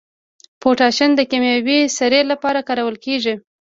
پوټاش د کیمیاوي سرې لپاره کارول کیږي.